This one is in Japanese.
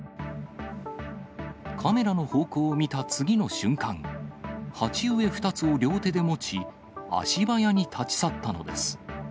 カメラの方向を見た次の瞬間、鉢植え２つを両手で持ち、足早に立ち去ったのです。